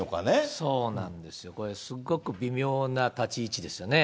そうなんですよ、これすっごく微妙な立ち位置ですよね。